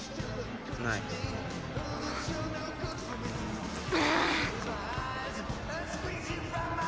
ないああっ！